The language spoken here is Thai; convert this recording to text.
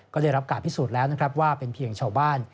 ก็ได้รับการพิสูจน์แล้วนะครับว่าเป็นเพียงชาวบ้าน